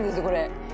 これ。